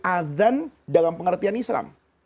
adhan dalam pengertian islam